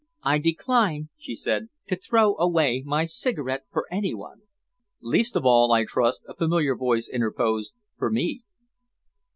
"I decline," she said, "to throw away my cigarette for any one." "Least of all, I trust," a familiar voice interposed, "for me."